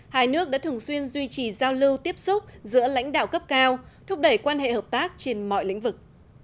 hai nước đã thường xuyên duy trì giao lưu tiếp xúc giữa lãnh đạo cấp cao thúc đẩy quan hệ hợp tác trên mọi lĩnh vực